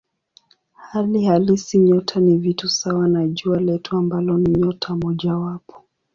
Hali halisi nyota ni vitu sawa na Jua letu ambalo ni nyota mojawapo.